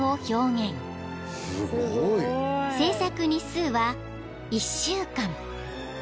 ［制作日数は１週間］